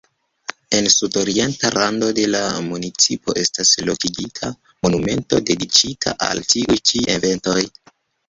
En sudorienta rando de la municipo estas lokigita monumento dediĉita al tiuj ĉi eventoj.